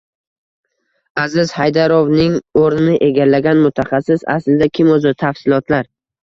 Aziz Haydarovning o‘rnini egallagan mutaxassis aslida kim o‘zi? Tafsilotlar